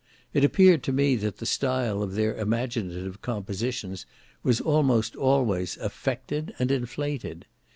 It appeared to me that the style of their imaginative compositions was almost always affected, and inflated.